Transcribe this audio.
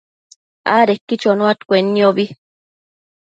adequi chonuaccuenniobi